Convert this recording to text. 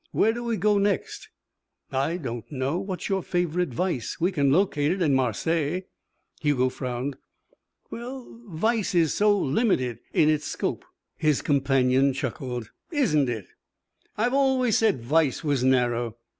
Where do we go next?" "I don't know. What's your favourite vice? We can locate it in Marseilles." Hugo frowned. "Well, vice is so limited in its scope." His companion chuckled. "Isn't it? I've always said vice was narrow.